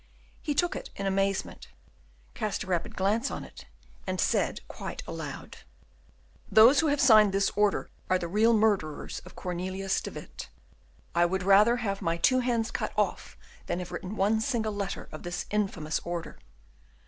He took it in amazement, cast a rapid glance on it, and said quite aloud, "Those who have signed this order are the real murderers of Cornelius de Witt. I would rather have my two hands cut off than have written one single letter of this infamous order."